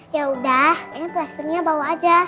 yaudah ini plasternya bawa aja